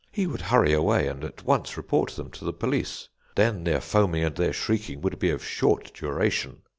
He would hurry away, and at once report them to the police. Then their foaming and their shrieking would be of short duration.